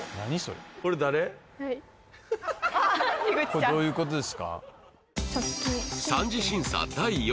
これどういうことですか？